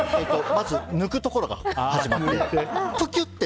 まず抜くところから始まって。